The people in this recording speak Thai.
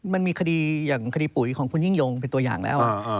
มันมีคดีอย่างคดีปุ๋ยของคุณยิ่งยงเป็นตัวอย่างแล้ว